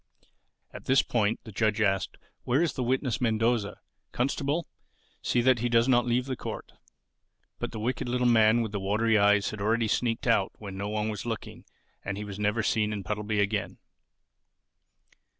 At this point the judge asked, "Where is the witness Mendoza? Constable, see that he does not leave the court." But the wicked little man with the watery eyes had already sneaked out when no one was looking and he was never seen in Puddleby again.